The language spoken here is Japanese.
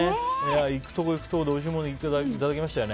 行くところ行くところでおいしいものいただきましたよね。